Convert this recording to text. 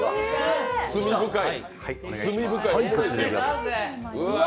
罪深い。